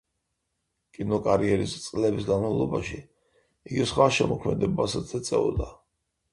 კინოკარიერის წლების განმავლობაში იგი სხვა შემოქმედებასაც ეწეოდა.